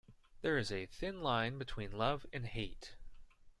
There is a thin line between love and hate.